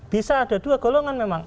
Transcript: bisa ada dua golongan memang